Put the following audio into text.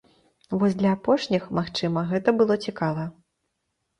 Вось для апошніх, магчыма, гэта было цікава.